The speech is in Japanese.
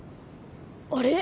あれ？